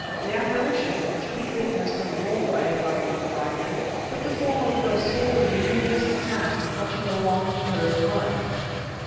The apparition which he witnessed in the hallway, if I remember rightly took the form of a sort of luminous hand clutching a long, curved knife."